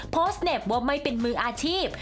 เน็บว่าไม่เป็นมืออาชีพ